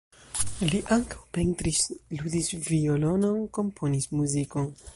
Li ankaŭ pentris, ludis violonon, komponis muzikon.